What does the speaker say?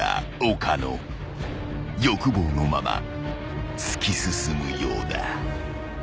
［欲望のまま突き進むようだ］